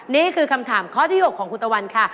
นี่คือคำถามข้อที่๖ของคุณตะวันค่ะ